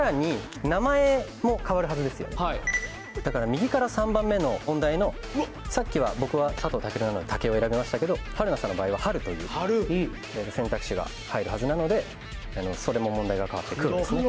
右から３番目の問題のさっきは僕は佐藤健なので「タケ」を選びましたけど春菜さんの場合は「春」という選択肢が入るはずなのでそれも問題が変わってくるんですね。